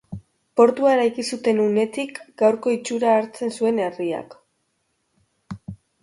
Portua eraiki zuten unetik gaurko itxura hartu zuen herriak.